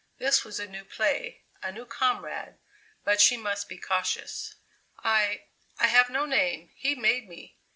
This was a new play, a new comrade, but she must be cautious. "I I have no name he made me!"